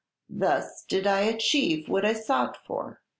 Thus did I achieve what I sought for.